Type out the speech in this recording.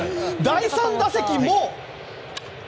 第３打席も。